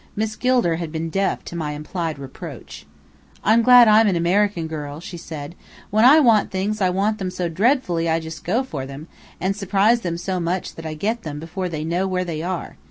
Miss Gilder had been deaf to my implied reproach. "I'm glad I'm an American girl," she said. "When I want things I want them so dreadfully I just go for them, and surprise them so much that I get them before they know where they are.